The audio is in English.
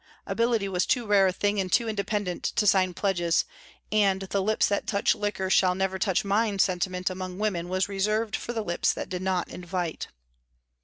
Ability was too rare a thing and too independent to sign pledges, and the lips that touch liquor shall never touch mine sentiment among women was reserved for the lips that did not invite."